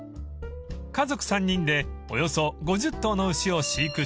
［家族３人でおよそ５０頭の牛を飼育しています］